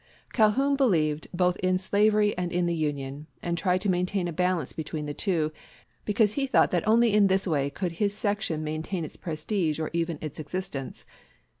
Calhoun believed both in slavery and in the Union, and tried to maintain a balance between the two, because he thought that only in this way could his section maintain its prestige or even its existence.